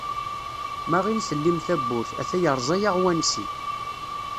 Ma aɣ-in-tellim tawwurt, ata yeṛẓa-aɣ wansi.